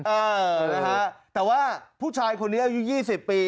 เออนะฮะแต่ว่าผู้ชายคนนี้อายุ๒๐ปี